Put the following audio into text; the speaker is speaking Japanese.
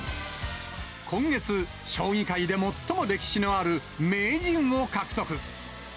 今月、将棋界で最も歴史のある名人を獲得。